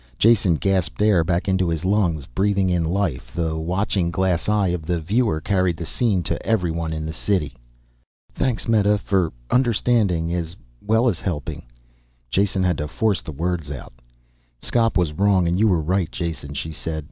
Jason gasped air back into his lungs, breathing in life. The watching glass eye of the viewer carried the scene to everyone in the city. "Thanks, Meta ... for understanding ... as well as helping." Jason had to force the words out. "Skop was wrong and you were right, Jason," she said.